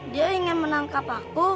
dia ingin menangkap aku